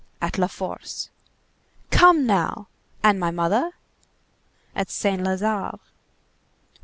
"At La Force." "Come, now! And my mother?" "At Saint Lazare."